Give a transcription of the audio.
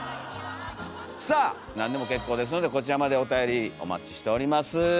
さあなんでも結構ですのでこちらまでおたよりお待ちしております。